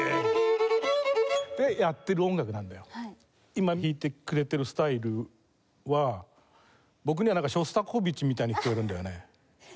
今弾いてくれてるスタイルは僕にはなんかショスタコーヴィッチみたいに聴こえるんだよね。